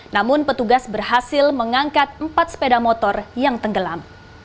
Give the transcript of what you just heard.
namun petugas berhasil mengangkat empat sepeda motor yang tenggelam